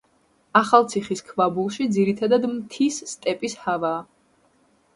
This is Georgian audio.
ახალციხის ქვაბულში ძირითადად მთის სტეპის ჰავაა.